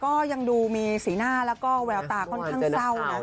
ก็ยังดูมีสีหน้าแล้วก็แววตาค่อนข้างเศร้านะ